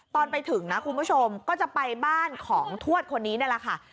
ตอนไปถึงนะคุณผู้ชมก็จะไปบ้านของทวดคนนี้นี่แหละค่ะ